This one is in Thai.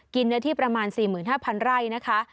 เนื้อที่ประมาณ๔๕๐๐ไร่นะคะ